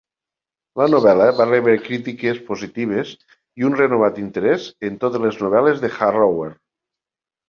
La novel·la va rebre crítiques positives i un renovat interès en totes les novel·les de Harrower.